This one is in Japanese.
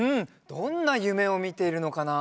どんなゆめをみているのかな？